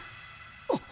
あっ！